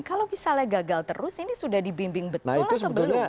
kalau misalnya gagal terus ini sudah dibimbing betul atau belum